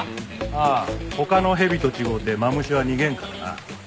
ああ他のヘビと違うてマムシは逃げんからな。